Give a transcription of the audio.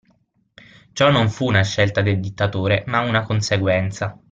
Ciò non fu una scelta del dittatore, ma una conseguenza.